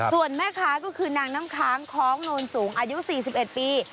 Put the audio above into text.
ส่วนแม่ค้าก็คือนางน้ำค้างคล้องโนนสูงอายุ๔๑ปี